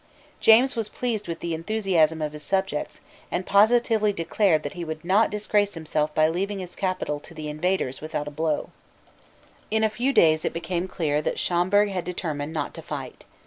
James was pleased with the enthusiasm of his subjects, and positively declared that he would not disgrace himself by leaving his capital to the invaders without a blow, In a few days it became clear that Schomberg had determined not to fight.